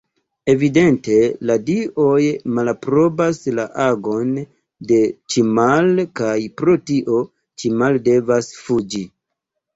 Evidente, la dioj malaprobas la agon de Ĉimal, kaj pro tio Ĉimal devas fuĝi.